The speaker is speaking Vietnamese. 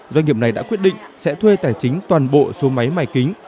doanh nghiệp này đã quyết định sẽ thuê tài chính toàn bộ số máy mà kính